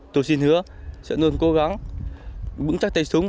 tôi xin hứa sẽ luôn cố gắng vững chắc tay súng